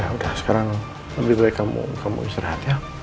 udah sekarang lebih baik kamu istirahat ya